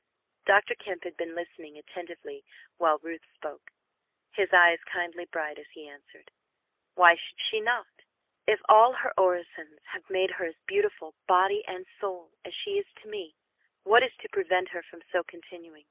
Dr. Kemp had been listening attentively while Ruth spoke. His eyes kindled brightly as he answered, "Why should she not? If all her orisons have made her as beautiful, body and soul, as she is to me, what is to prevent her from so continuing?